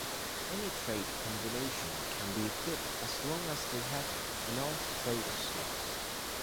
Any trait combination can be equipped as long as they have enough trait slots.